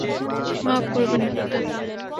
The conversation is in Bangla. মাফ করবেন ডাক্তার।